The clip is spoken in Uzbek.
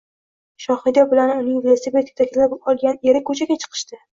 Shohida bilan uning velosiped yetaklab olgan eri ko‘chaga chiqishdi